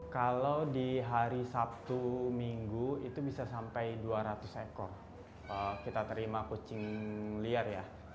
kalau di hari sabtu minggu itu bisa sampai dua ratus ekor kita terima kucing liar ya